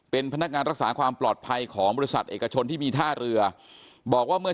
เป็นพนักงานรักษาความปลอดภัยของบริษัทเอกชนที่มีท่าเรือบอกว่าเมื่อ